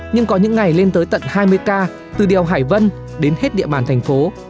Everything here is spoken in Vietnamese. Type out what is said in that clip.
nhưng có những ngày lên tới tận hai mươi ca từ đèo hải vân đến hết địa bàn thành phố